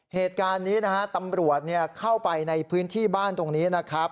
เหตุการณ์นี้นะฮะตำรวจเข้าไปในพื้นที่บ้านตรงนี้นะครับ